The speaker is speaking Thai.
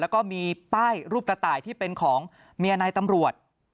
แล้วก็มีป้ายรูปกระต่ายที่เป็นของเมียนายตำรวจ